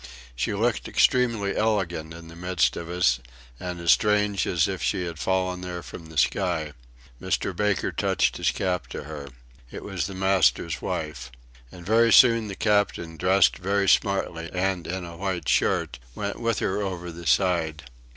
She looked extremely elegant in the midst of us, and as strange as if she had fallen there from the sky. Mr. Baker touched his cap to her. It was the master's wife. And very soon the Captain, dressed very smartly and in a white shirt, went with her over the side.